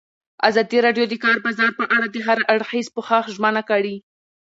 ازادي راډیو د د کار بازار په اړه د هر اړخیز پوښښ ژمنه کړې.